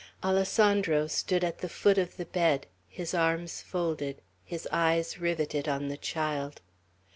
Alessandro stood at the foot of the bed, his arms folded, his eyes riveted on the child.